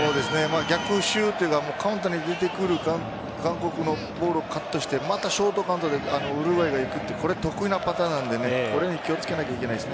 逆襲というかカウンターに出てくる韓国のボールをカットしてまたショートカウンターでウルグアイがいくという得意なパターンなのでこれ気をつけなければいけないです。